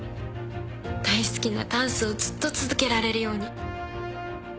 大好きなダンスをずっと続けられるように。